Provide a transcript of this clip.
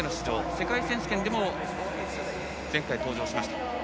世界選手権でも前回、登場しました。